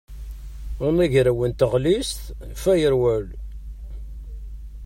Anagraw n tɣellist firewall.